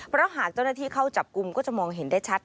เพราะหากเจ้าหน้าที่เข้าจับกลุ่มก็จะมองเห็นได้ชัด